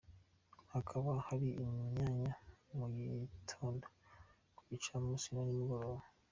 Hakaba hari imyanya mu gitondo, ku gicamunsi na nimugoroba.